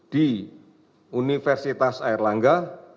di universitas air langga